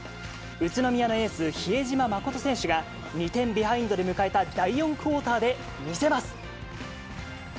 宇都宮のエース、比江島慎選手が、２点ビハインドで迎えた第４クオーターで見せます。